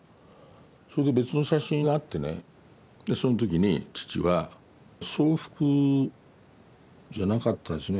それで別の写真があってねその時に父は僧服じゃなかったですね。